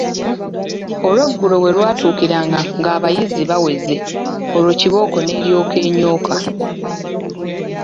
Olweggulo we lwatuukiranga ng'abayizi baweze, olwo kibooko n'eryoka enyooka!